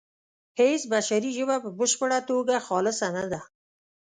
هیڅ بشري ژبه په بشپړه توګه خالصه نه ده